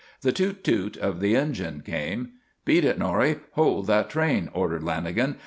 The toot, toot of the engine came. "Beat it, Norrie! Hold that train," ordered Lanagan.